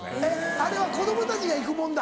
「あれは子供たちが行くもんだ」。